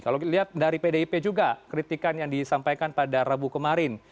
kalau dilihat dari pdip juga kritikan yang disampaikan pada rabu kemarin